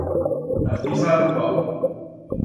Astí s'ha arrugau.